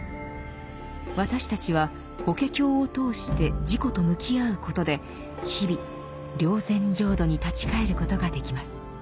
私たちは「法華経」を通して自己と向き合うことで日々「霊山浄土」に立ち返ることができます。